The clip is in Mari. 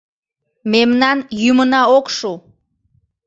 Мемнан йӱмына ок шу...